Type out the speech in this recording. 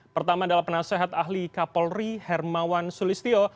pertama adalah penasehat ahli kapolri hermawan sulistio